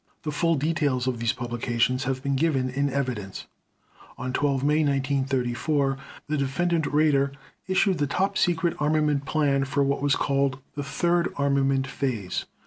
The full details of these publications have been given in evidence. On 12 May 1934 the Defendant Raeder issued the Top Secret armament plan for what was called the "Third Armament Phase".